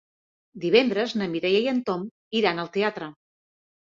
Divendres na Mireia i en Tom iran al teatre.